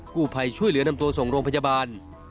ผู้ภัยช่วยเหลือนำตัวส่งโรงพยาบาล